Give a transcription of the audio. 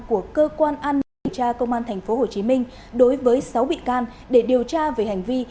của cơ quan an ninh điều tra công an tp hcm đối với sáu bị can để điều tra về hành vi